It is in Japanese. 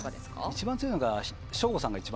一番強いのが省吾さん。